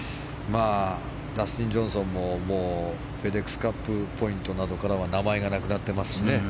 ダスティン・ジョンソンもフェデックスカップポイントからは名前がなくなってますしね。